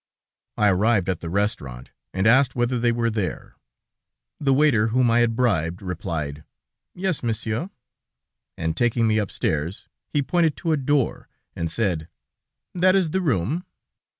"I arrived at the restaurant, and asked whether they were there. The waiter whom I had bribed replied: 'Yes, Monsieur,' and taking me upstairs, he pointed to a door, and said: 'That is the room!'